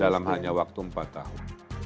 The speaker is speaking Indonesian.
dalam hanya waktu empat tahun